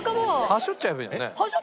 はしょっちゃえばいいの。